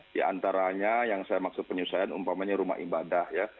di antaranya yang saya maksud penyesuaian umpamanya rumah ibadah ya